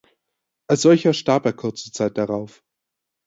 Als solcher starb er kurze Zeit darauf.